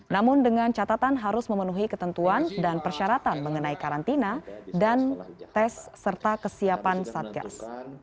namun dengan catatan harus memenuhi ketentuan dan persyaratan mengenai karantina dan tes serta kesiapan satgas